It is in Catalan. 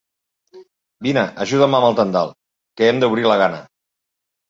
Vine, ajuda'm amb el tendal, que hem d'obrir la gana.